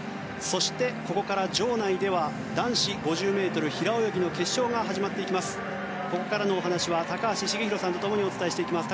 そして、ここから場内では男子５０ｍ平泳ぎの決勝が始まっていきます。